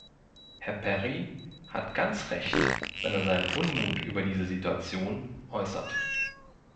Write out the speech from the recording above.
Herr Perry hat ganz recht, wenn er seinen Unmut über diese Situation äußert.